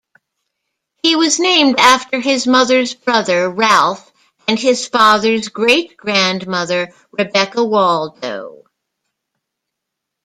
He was named after his mother's brother Ralph and his father's great-grandmother Rebecca Waldo.